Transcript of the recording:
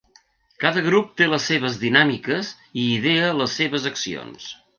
Cada grup té les seves dinàmiques i idea les seves accions.